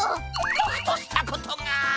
ボクとしたことが。